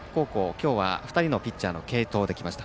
今日は２人のピッチャーの継投できました。